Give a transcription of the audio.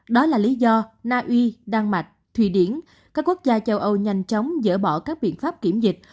đó là lý do na uy đan mạch thủy điển các quốc gia châu âu nhanh chóng dỡ bỏ các biện pháp kiểm dịch